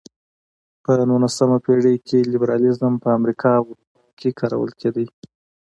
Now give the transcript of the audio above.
په نولسمه پېړۍ کې لېبرالیزم په امریکا او اروپا کې کارول کېده.